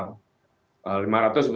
denda itu untuk hukuman jadi harus mahal